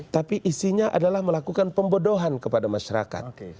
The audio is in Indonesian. tapi isinya adalah melakukan pembodohan kepada masyarakat